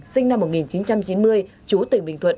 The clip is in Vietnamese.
sinh năm một nghìn chín trăm chín mươi chú tỉnh bình thuận